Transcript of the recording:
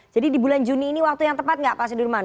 jadi di bulan juni ini waktu yang tepat nggak pak sudirman